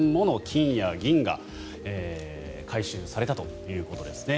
金や銀が回収されたということですね。